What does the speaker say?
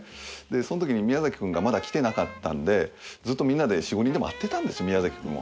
そのときに宮崎くんがまだ来てなかったんでずっとみんなで４５人で待ってたんです宮崎くんを。